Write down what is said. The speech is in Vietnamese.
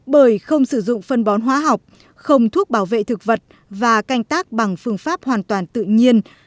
bởi không sử dụng phân bón hóa học không thuốc bảo vệ thực vật và canh tác bằng phương pháp hoàn toàn tự nhiên